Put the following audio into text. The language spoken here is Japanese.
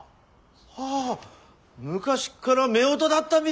あ昔っから夫婦だったみてだわ！